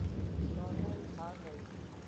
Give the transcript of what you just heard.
Donnell Harvey